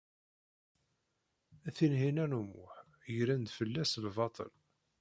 Tinhinan u Muḥ gren-d fell-as lbaṭel.